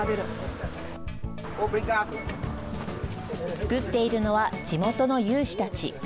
作っているのは地元の有志たち。